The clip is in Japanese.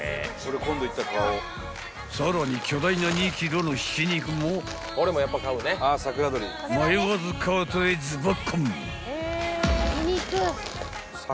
［さらに巨大な２ｋｇのひき肉も迷わずカートへズバコン］